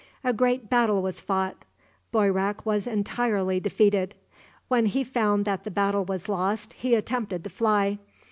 A great battle was fought. Boyrak was entirely defeated. When he found that the battle was lost he attempted to fly.